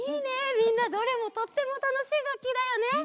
みんなどれもとってもたのしいがっきだよね。